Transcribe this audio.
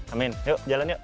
amin yuk jalan yuk